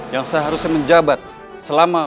yang seharusnya menjabat selama